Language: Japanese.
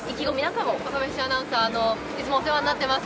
若林アナウンサー、いつもお世話になっております。